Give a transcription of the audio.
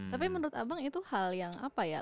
tapi menurut abang itu hal yang apa ya